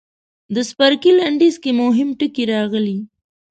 د څپرکي لنډیز کې مهم ټکي راغلي.